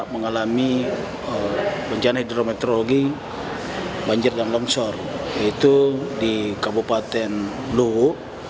mengalami bencana hidrometeorologi banjir dan longsor yaitu di kabupaten luwu